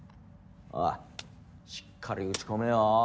おいしっかり打ち込めよ。